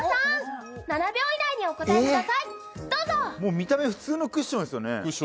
見た目普通のクッションですよね。